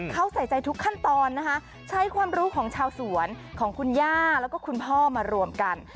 เขาใส่ใจทุกขั้นตอนนะคะใช้ความรู้ของชาวสวนของคุณย่าแล้วก็คุณพ่อมารวมกัน